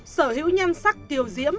sở hữu nhân sắc tiêu diễm